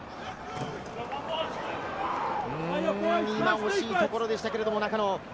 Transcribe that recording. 惜しいところでした、中野。